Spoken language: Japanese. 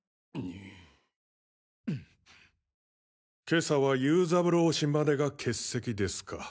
今朝は游三郎氏までが欠席ですか。